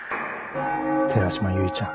寺島唯ちゃん。